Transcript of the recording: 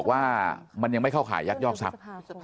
ว่าจะแจ้งข้อหายักยอกทรัพย์